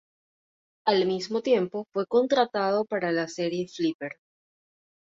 Al mismo tiempo fue contratado para la serie Flipper.